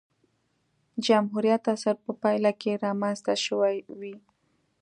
جمهوریت عصر په پایله کې رامنځته شوې وې.